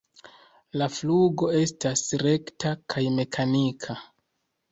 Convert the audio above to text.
La flugo estas rekta kaj mekanika.